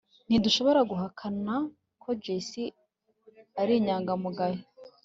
Ntidushobora guhakana ko Jessie ari inyangamugayo